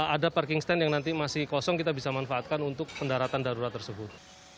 ada parking stand yang nanti masih kosong kita bisa manfaatkan untuk pendaratan darurat tersebut